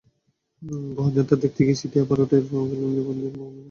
গহনযাত্রা দেখতে গিয়ে সেটি আবারও টের পাওয়া গেল নিরাভরণ মঞ্চসজ্জা দেখে।